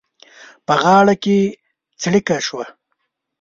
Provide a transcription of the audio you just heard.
په غاړه کې څړيکه شوه.